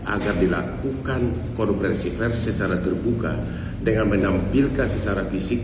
agar dilakukan konferensi pers secara terbuka dengan menampilkan secara fisik